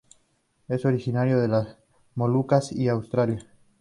Es originario de las Molucas y Australia.